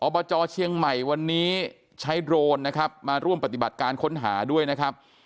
บจเชียงใหม่วันนี้ใช้โดรนนะครับมาร่วมปฏิบัติการค้นหาด้วยนะครับ